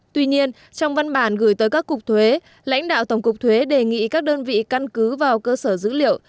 tuy nhiên trong văn bản gửi tới các cục thuế lãnh đạo tổng cục thuế đề nghị các đơn vị căn cứ vào cơ sở dữ liệu